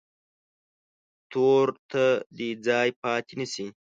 تور ته دې ځای پاتې نه شي.